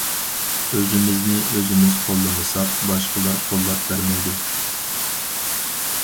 ئۆزىمىزنى ئۆزىمىز قوللىمىساق، باشقىلار قوللاپ بەرمەيدۇ.